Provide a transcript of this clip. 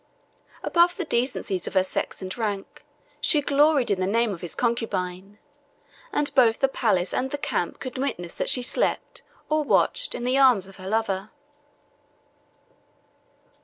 Above the decencies of her sex and rank, she gloried in the name of his concubine; and both the palace and the camp could witness that she slept, or watched, in the arms of her lover.